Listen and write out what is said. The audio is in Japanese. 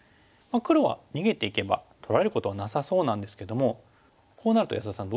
黒は逃げていけば取られることはなさそうなんですけどもこうなると安田さん